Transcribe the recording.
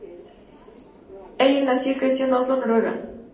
Elling nació y creció en Oslo, Noruega.